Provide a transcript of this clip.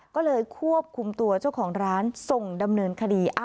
ก็เลยควบคุมตัวเจ้าของร้านส่งดำเนินคดี